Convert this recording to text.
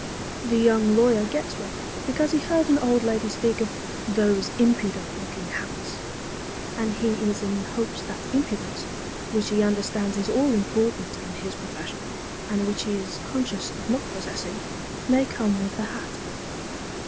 The young lawyer gets one, because he heard an old lady speak of "those impudent looking hats," and he is in hopes that impudence, which he understands is all important in his profession, and which he is conscious of not possessing, may come with the hat.